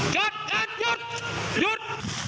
กัดกัดหยุดหยุด